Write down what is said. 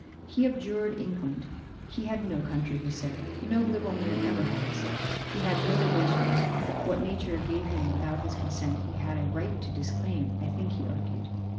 He abjured England; he had no country, he said, no liberal man ever has; he had no relations what nature gave him without his consent he had a right to disclaim, I think he argued.